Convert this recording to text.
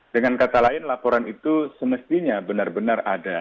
dengan kata lain laporan itu semestinya benar benar ada